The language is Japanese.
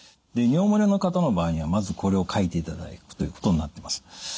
で尿漏れの方の場合にはまずこれを書いていただくということになってます。